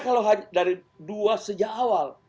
kalau dari dua sejak awal